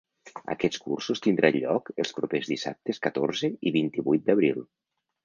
Aquests cursos tindran lloc els propers dissabtes catorze i vint-i-vuit d’abril.